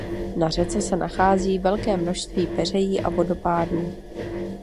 Na řece se nachází velké množství peřejí a vodopádů.